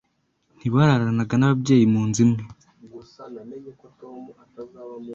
ntibararanaga n'ababyeyi munzu imwe